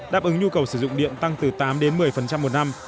đáp ứng nhu cầu sử dụng điện tăng từ tám đến một mươi một năm